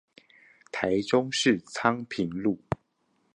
台中市昌平路